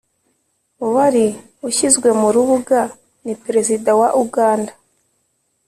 uwari ushyizwe mu rubuga ni perezida wa uganda,